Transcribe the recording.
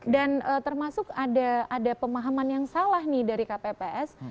dan termasuk ada pemahaman yang salah nih dari kpps